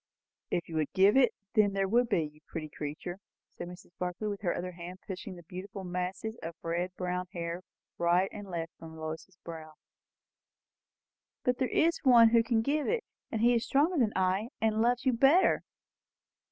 "If you could give it, there would be, you pretty creature!" said Mrs. Barclay, with her other hand pushing the beautiful masses of red brown hair right and left from Lois's brow. "But there is One who can give it, who is stronger than I, and loves you better."